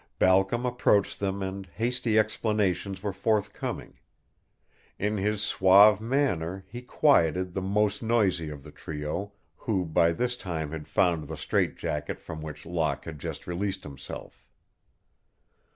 Balcom approached them and hasty explanations were forthcoming. In his suave manner he quieted the most noisy of the trio, who by this time had found the strait jacket from which Locke had just released himself.